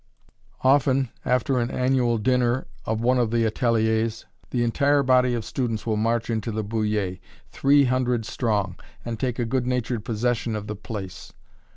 Estampe Moderne] Often after an annual dinner of one of the ateliers, the entire body of students will march into the "Bullier," three hundred strong, and take a good natured possession of the place.